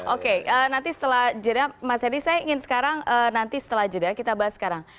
oke nanti setelah jeda mas henry saya ingin sekarang nanti setelah jeda kita bahas sekarang